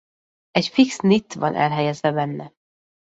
Egy fix nitt van elhelyezve benne.